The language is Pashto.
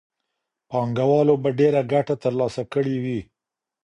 پانګوالو به ډېره ګټه ترلاسه کړې وي.